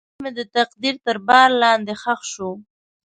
محبت مې د تقدیر تر بار لاندې ښخ شو.